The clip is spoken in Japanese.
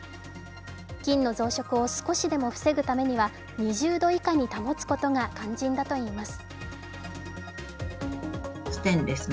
菌の増殖を少しでも防ぐためには２０度以下に保つことが肝心だということです。